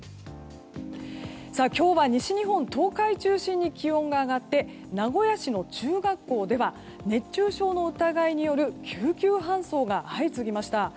今日は西日本、東海中心に気温が上がって名古屋市の中学校では熱中症の疑いによる救急搬送が相次ぎました。